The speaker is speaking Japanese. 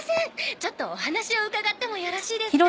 ちょっとお話を伺ってもよろしいですか？